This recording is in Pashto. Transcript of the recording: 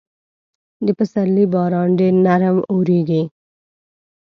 د پسرلي باران ډېر نرم اورېږي.